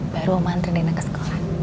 baru oma nganterin reina ke sekolah